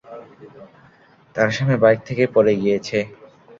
তার স্বামী বাইক থেকে পড়ে গিয়েছে।